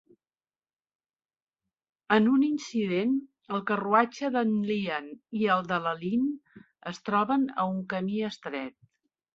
En un incident, el carruatge d'en Lian i el de la Lin es troben a un camí estret.